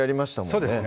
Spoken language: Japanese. そうですね